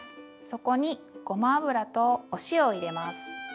そこにごま油とお塩を入れます。